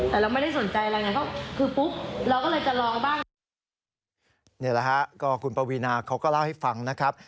ก็คือปุ๊บเราก็เลยจะลองบ้างเนี่ยแหละฮะก็คุณปวีนาเขาก็เล่าให้ฟังนะครับ